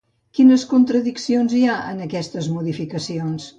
Quines contradiccions hi ha en aquestes modificacions?